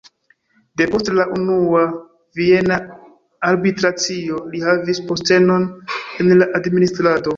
Depost la Unua Viena Arbitracio li havis postenon en la administrado.